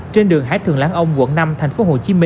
trên đường hải thường lãng ông quận năm tp hcm